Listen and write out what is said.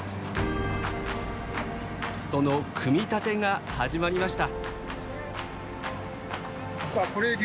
その組み立てが始まりました。